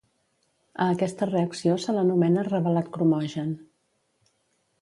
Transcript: A aquesta reacció se l'anomena revelat cromogen.